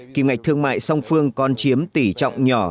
kim ngạch thương mại song phương còn chiếm tỷ trọng nhỏ